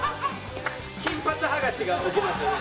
金髪剥がしが起きましたね。